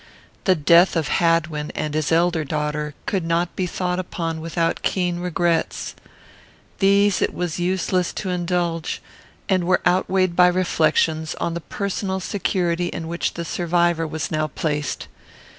The death of Hadwin and his elder daughter could not be thought upon without keen regrets. These it was useless to indulge, and were outweighed by reflections on the personal security in which the survivor was now placed.